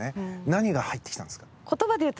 何が入ってきたんですか？